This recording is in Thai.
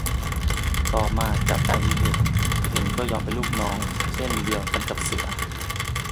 ต่อมาจับได้อีเห็น อีเห็นก็ยอมเป็นลูกน้อง เช่นเดียวกันกับเสือ